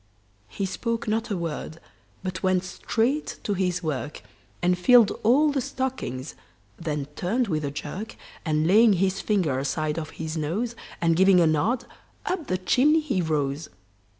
He spoke not a word, but went straight to his work, And filled all the stockings; then turned with a jerk, And laying his finger aside of his nose, And giving a nod, up the chimney he rose.